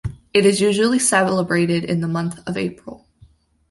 It is usually celebrated in the month of April.